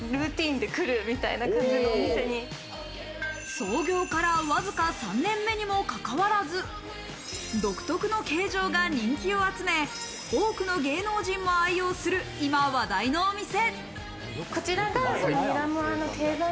創業からわずか３年目にもかかわらず、独特な形状が人気を集め、多くの芸能人が愛用する今、話題のお店。